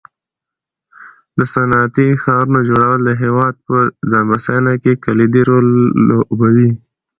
د صنعتي ښارګوټو جوړول د هېواد په ځان بسیاینه کې کلیدي رول لوبوي.